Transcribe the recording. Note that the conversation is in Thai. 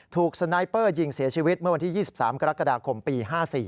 สไนเปอร์ยิงเสียชีวิตเมื่อวันที่๒๓กรกฎาคมปี๕๔